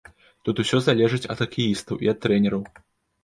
Тут усё залежыць ад хакеістаў і ад трэнераў.